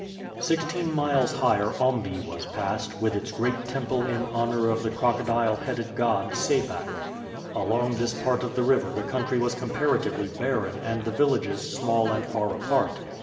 Sixteen miles higher Ombi was passed, with its great temple in honor of the crocodile headed god Sebak. Along this part of the river the country was comparatively barren and the villages small and far apart.